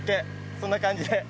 そんな感じで。